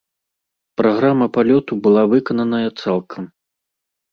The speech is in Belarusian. Праграма палёту была выкананая цалкам.